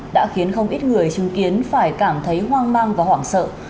đã khiến không ít người chứng kiến phải cảm thấy hoang mang và hoảng sợ